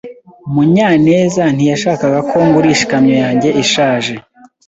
Munyanez ntiyashakaga ko ngurisha ikamyo yanjye ishaje.